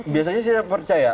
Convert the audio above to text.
biasanya saya percaya